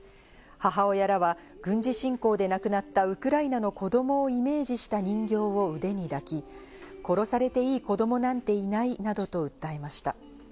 母親らは軍事侵攻で亡くなったウクライナの子供をイメージした人形を腕に抱き、殺されていい子供なんていないなどと訴えました。